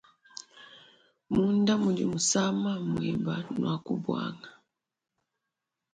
Munda mudi musama mueba naku buanga.